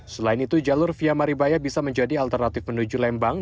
selain itu jalur via maribaya bisa menjadi alternatif menuju lembang